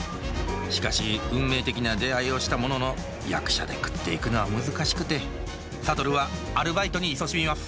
しかし運命的な出会いをしたものの役者で食っていくのは難しくて諭はアルバイトにいそしみます